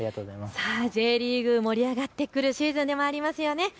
Ｊリーグ盛り上がってくるシーズンでもありますよね。